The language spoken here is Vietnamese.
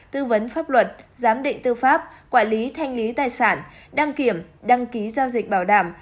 tư vấn pháp luật giám định tư pháp quản lý thanh lý tài sản đăng kiểm đăng ký giao dịch bảo đảm